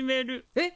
えっ？